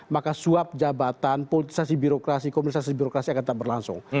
maka suap jabatan politisasi birokrasi komunisasi birokrasi akan tak berlangsung